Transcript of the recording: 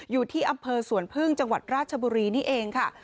อยู่ที่อำเภอสวนพึ่งจังหวัดราชบุรีนี่เองค่ะ